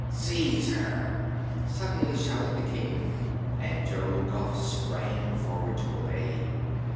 "Seize her!" suddenly shouted the King, and General Guph sprang forward to obey.